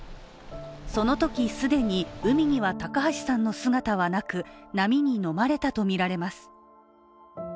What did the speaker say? そのとき既に、海には高橋さんの姿はなく波にのまれたとみられます。